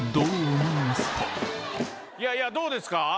いやいやどうですか？